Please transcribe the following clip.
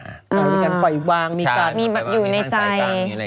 เรามีการปล่อยวางมีการมีอยู่ในใจ